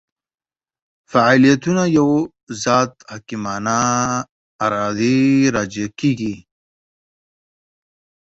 فاعلیتونه یوه ذات حکیمانه ارادې راجع کېږي.